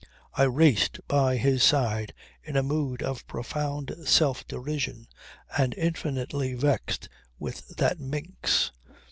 I raced by his side in a mood of profound self derision, and infinitely vexed with that minx.